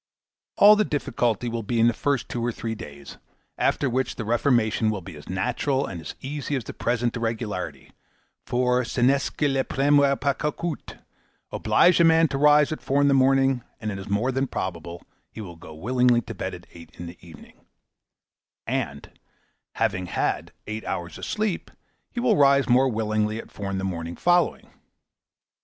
All the difficulty will be in the first two or three days; after which the reformation will be as natural and easy as the present irregularity; for, ce n'est que le premier pas qui coûte. Oblige a man to rise at four in the morning, and it is more than probable he will go willingly to bed at eight in the evening; and, having had eight hours sleep, he will rise more willingly at four in the morning following.